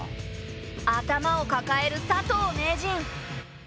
頭をかかえる佐藤名人。